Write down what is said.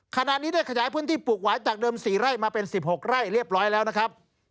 ขณะนี้ได้ขยายพื้นที่ปลูกหวายจากเดิม๔ไร่มาเป็น๑๖ไร่เรียบร้อยแล้วนะครับ